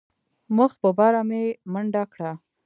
مخ په بره مې منډه کړه.